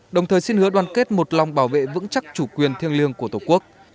đồng thời xin hứa đoàn kết một lòng bảo vệ vững chắc chủ quyền thiêng liêng của tổ quốc